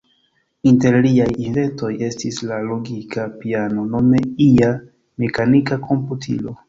Inter liaj inventoj estis la logika piano, nome ia mekanika komputilo.